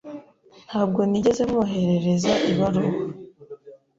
Ntabwo nigeze mwoherereza ibaruwa.